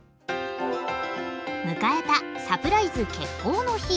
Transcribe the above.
迎えたサプライズ決行の日。